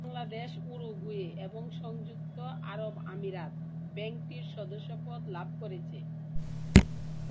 Bangladesh, Uruguay এবং সংযুক্ত আরব আমিরাত ব্যাংকটির সদস্যপদ লাভ করেছে।